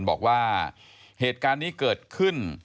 บอกว่าเหตุการณ์นี้เกิดขึ้น